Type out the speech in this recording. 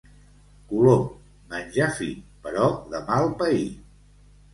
Colom, menjar fi, però de mal pair.